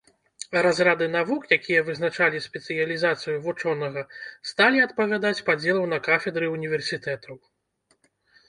Разрады навук, якія вызначалі спецыялізацыю вучонага, сталі адпавядаць падзелу на кафедры ўніверсітэтаў.